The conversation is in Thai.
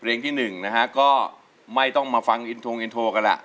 เพลงที่๑นะฮะก็ไม่ต้องมาฟังอินโทรอินโทรกันแหละ